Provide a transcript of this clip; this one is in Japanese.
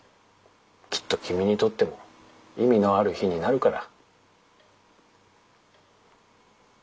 きっと君にとっても意味のある日になるから。